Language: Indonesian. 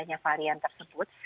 hanya varian tersebut